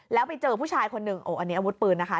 แล้วไปเจอผู้ชายคนหนึ่งโอ้อันนี้อาวุธปืนนะคะ